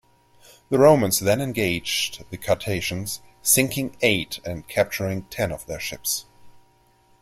The Romans then engaged the Carthaginians, sinking eight and capturing ten of their ships.